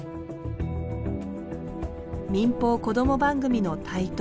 民放こども番組の台頭。